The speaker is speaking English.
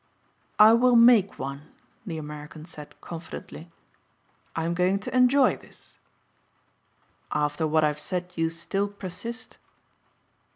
"I will make one," the American said confidently, "I am going to enjoy this." "After what I have said you still persist?"